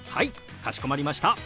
かしこまりました。